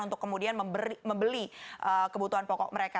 untuk kemudian membeli kebutuhan pokok mereka